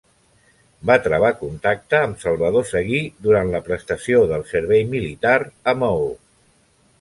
Va travar contacte amb Salvador Seguí durant la prestació del servei militar en Maó.